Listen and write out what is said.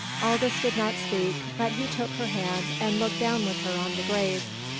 Aldous did not speak, but he took her hand, and looked down with her on the grave.